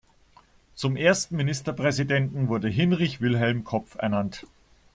Zum ersten Ministerpräsidenten wurde Hinrich Wilhelm Kopf ernannt.